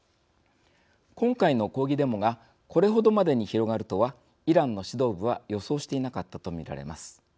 今回の抗議デモがこれほどまでに広がるとはイランの指導部は予想していなかったと見られます。